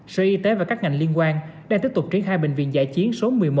sở y tế và các ngành liên quan đang tiếp tục triển khai bệnh viện giải chiến số một mươi một